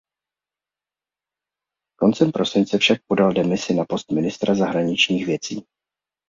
Koncem prosince však podal demisi na post ministra zahraničních věcí.